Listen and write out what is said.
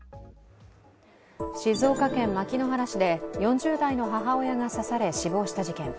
静岡県牧之原市で４０代の母親が刺され、死亡した事件。